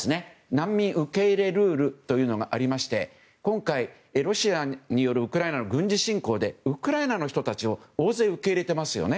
難民受け入れルールがありまして今回、ロシアによるウクライナへの軍事侵攻でウクライナの人たちを大勢受け入れてますよね。